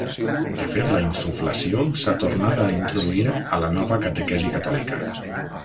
De fet, la insuflació s'ha tornat a introduir a la nova catequesi catòlica.